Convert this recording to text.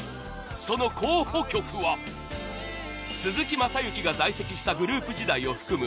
その候補曲は鈴木雅之が在籍したグループ時代を含む